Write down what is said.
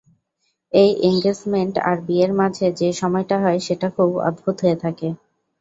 এই এঙ্গেছমেন্ট আর বিয়ের মাঝে যে সময়টা হয় সেটা খুব অদ্ভুত হয়ে থাকে।